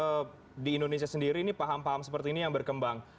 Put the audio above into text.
sebenarnya kemudian banyak di indonesia sendiri ini paham paham seperti ini yang berkembang